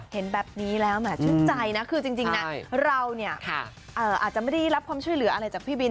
เห็นแบบนี้แล้วแหมชื่นใจนะคือจริงนะเราเนี่ยอาจจะไม่ได้รับความช่วยเหลืออะไรจากพี่บิน